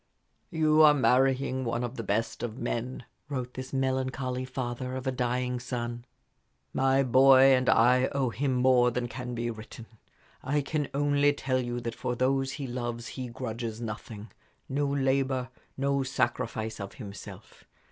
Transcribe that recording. "You are marrying one of the best of men," wrote this melancholy father of a dying son. "My boy and I owe him more than can be written. I can only tell you that for those he loves he grudges nothing no labor, no sacrifice of himself.